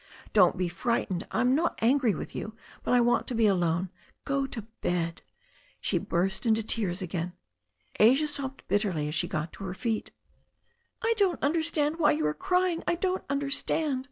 Don't be frightened. I am not angry with you. But I want to be alone. Go to bed." She burst into tears again. Asia sobbed bitterly as she got to her feet. "I don't understand why you are crying — ^I don't under stand.